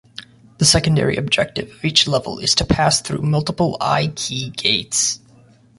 The secondary objective of each level is to pass through multiple "Eye-Key" gates.